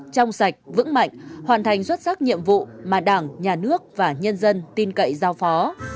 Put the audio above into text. trong sạch vững mạnh hoàn thành xuất sắc nhiệm vụ mà đảng nhà nước và nhân dân tin cậy giao phó